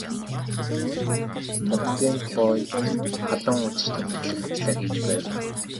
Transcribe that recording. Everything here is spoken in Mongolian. Боркенкою халуун үзэж тэмдэглэх ажлаа хийж байв.